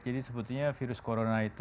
jadi sebetulnya virus corona itu